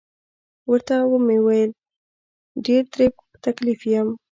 ورته مې وویل: ډیر ترې په تکلیف یم.